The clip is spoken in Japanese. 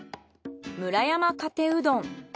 村山かてうどん。